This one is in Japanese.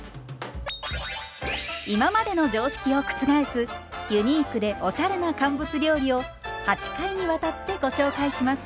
今までの常識を覆すユニークでおしゃれな乾物料理を８回にわたってご紹介します。